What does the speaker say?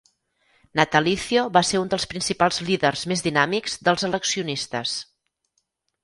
Natalicio va ser un dels principals líders més dinàmics dels "eleccionistes".